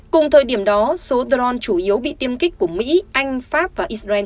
cùng thời điểm đó số dron chủ yếu bị tiêm kích của mỹ anh pháp và israel